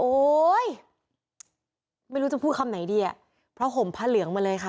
โอ๊ยไม่รู้จะพูดคำไหนดีอ่ะเพราะห่มผ้าเหลืองมาเลยค่ะ